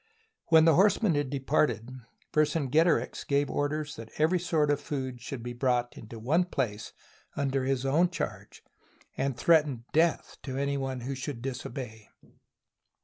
When the horsemen had departed, Vercingetorix gave orders that every sort of food should be brought into one place under his own charge, and threatened death to any one who should disobey.